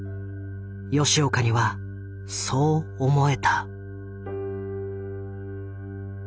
吉岡にはそう思えた。